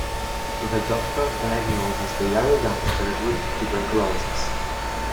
The doctor diagnoses the young gangster with tuberculosis.